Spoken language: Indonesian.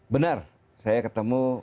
benar saya ketemu